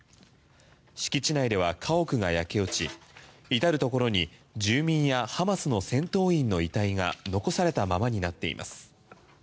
敷地内では家屋が焼け落ちいたるところに住民やハマスの戦闘員の遺体が残されたままになっています。